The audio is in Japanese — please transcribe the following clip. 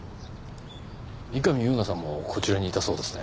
三上夕菜さんもこちらにいたそうですね。